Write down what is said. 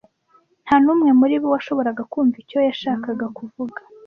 Nta n'umwe muri bo washoboraga kumva icyo yashakaga kuvuga.